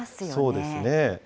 そうですね。